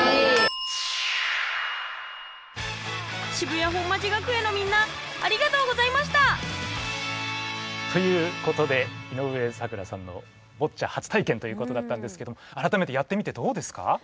渋谷本町学園のみんなありがとうございました！ということで井上咲楽さんのボッチャ初たいけんということだったんですけどあらためてやってみてどうですか？